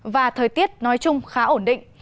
và thời tiết nói chung khá ổn định